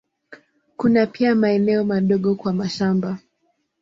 Kuna pia maeneo madogo kwa mashamba.